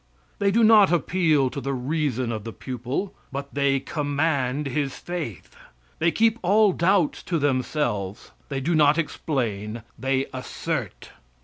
They do not appeal to the reason of the pupil, but they command his faith. They keep all doubts to themselves; they do not explain, they assert.